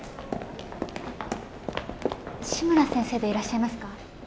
志村先生でいらっしゃいますか？